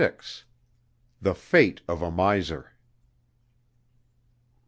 THE FATE OF A MISER.